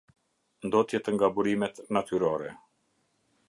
Ndotjet nga burimet natyrore.